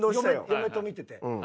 嫁と見てて。